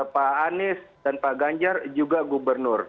pak anies dan pak ganjar juga gubernur